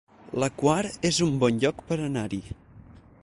La Quar es un bon lloc per anar-hi